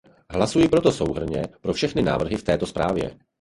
Hlasuji proto souhrnně pro všechny návrhy v této zprávě.